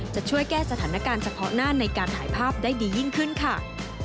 จะช่วยแก้สถานการณ์เฉพาะหน้าในการถ่ายภาพได้ดียิ่งขึ้นค่ะ